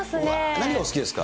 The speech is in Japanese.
何がお好きですか？